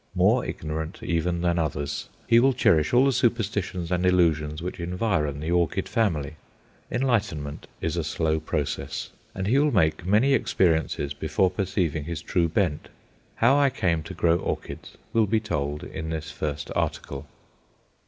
More ignorant even than others, he will cherish all the superstitions and illusions which environ the orchid family. Enlightenment is a slow process, and he will make many experiences before perceiving his true bent. How I came to grow orchids will be told in this first article.